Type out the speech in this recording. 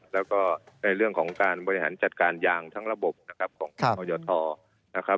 แล้วก็ในเรื่องของการบริหารจัดการยางทั้งระบบของกรยธร